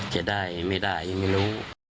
จะได้ไม่ได้ไม่รู้